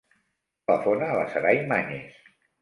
Telefona a la Saray Mañez.